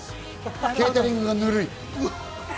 ケータリングがぬるい。